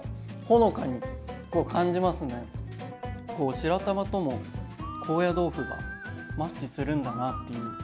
白玉とも高野豆腐がマッチするんだなっていう。